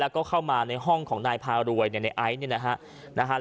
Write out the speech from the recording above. แล้วก็เข้ามาในห้องของไนพาโรยในไอซ์เนี้ยนะครับ